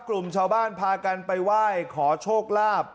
กลุ่มชาวบ้านพากันไปไหว้ขอโชคลาภ